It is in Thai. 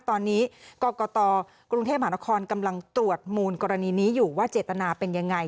ตอนนี้กรกตกรุงเทพมหานครกำลังตรวจมูลกรณีนี้อยู่ว่าเจตนาเป็นยังไง